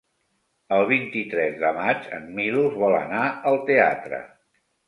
El vint-i-tres de maig en Milos vol anar al teatre.